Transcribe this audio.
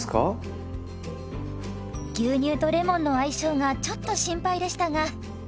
牛乳とレモンの相性がちょっと心配でしたが。